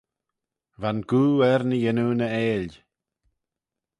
Va'n goo er ny yannoo ny 'eill.